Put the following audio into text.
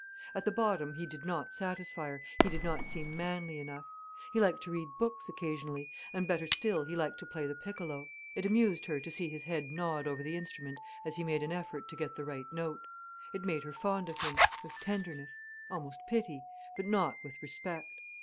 At the bottom he did not satisfy her, he did not seem manly enough. He liked to read books occasionally, and better still he liked to play the piccolo. It amused her to see his head nod over the instrument as he made an effort to get the right note. It made her fond of him, with tenderness, almost pity, but not with respect.